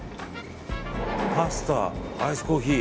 パスタ、アイスコーヒー。